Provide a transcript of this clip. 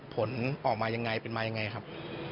ผลออกมาอย่างไรเป็นมาอย่างไรครับ